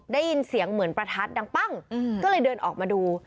ได้ยินเสียงเหมือนประทัดดังปั้งก็เลยเดินออกมาดู